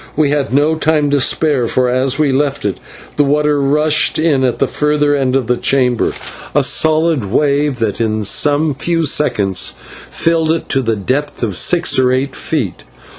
We had no time to spare, for as we left it the water rushed in at the further end of the chamber, a solid wave that in some few seconds filled it to the depth of six or eight feet.